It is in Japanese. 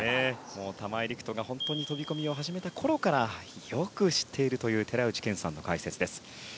玉井陸斗が飛び込みを始めたころからよく知っているという寺内健さんの解説です。